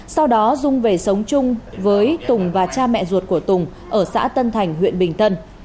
sau đó dung về sống chung với tùng và cha mẹ ruột của tùng ở xã tân thành huyện bình tân